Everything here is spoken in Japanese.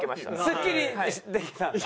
スッキリできたんだ。